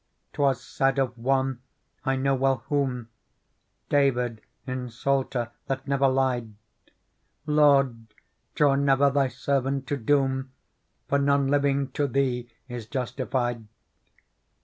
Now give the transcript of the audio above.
" 'Twas said of one, I know well whom, David in Psalter, that never lied :' Lord ! draw never Thy servant to doom. For none living to Thee is justified.'